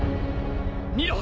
見ろ！